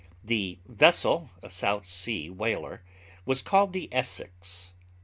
The vessel, a South Sea whaler, was called the Essex.